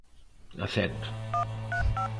"Acepto".